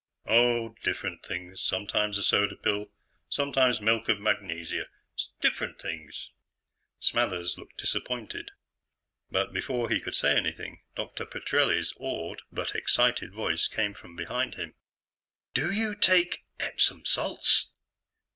"Oh, different things. Sometimes a soda pill, sometimes milk of magnesia, different things." Smathers looked disappointed, but before he could say anything, Dr. Petrelli's awed but excited voice came from behind him. "Do you take Epsom salts?"